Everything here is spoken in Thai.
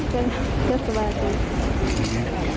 ก็สบายกัน